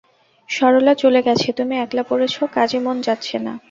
সরলা চলে গেছে, তুমি একলা পড়েছ, কাজে মন যাচ্ছে না।